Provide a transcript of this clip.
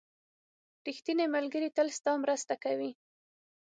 • ریښتینی ملګری تل ستا مرسته کوي.